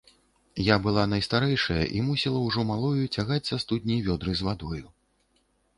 Я была найстарэйшая і мусіла ўжо малою цягаць са студні вёдры з вадою.